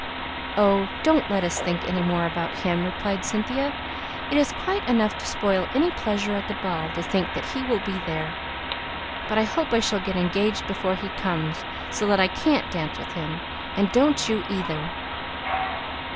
"Oh, don't let us think any more about him," replied Cynthia. "It is quite enough to spoil any pleasure at the ball to think that he will be there. But I hope I shall get engaged before he comes, so that I can't dance with him and don't you, either!"